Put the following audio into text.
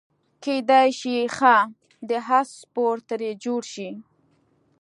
کیدای شي ښه د اس سپور ترې جوړ شي.